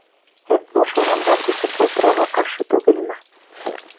Һеҙ буш урынға күсеп ултырыуға ҡаршы түгелме?